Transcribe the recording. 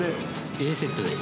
Ａセットです。